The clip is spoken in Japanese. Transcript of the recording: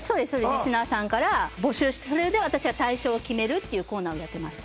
リスナーさんから募集してそれで私が大賞を決めるっていうコーナーをやってました